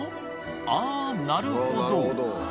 ああ、なるほど。